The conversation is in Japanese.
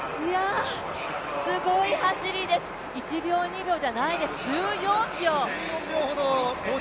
すごい走りです、１秒、２秒じゃないです、１４秒！